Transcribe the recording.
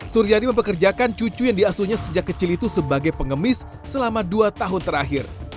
suryadi mempekerjakan cucu yang diasuhnya sejak kecil itu sebagai pengemis selama dua tahun terakhir